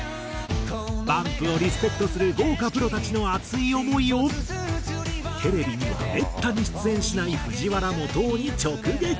バンプをリスペクトする豪華プロたちの熱い思いをテレビにはめったに出演しない藤原基央に直撃！